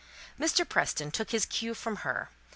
Mr. Preston took his cue from her.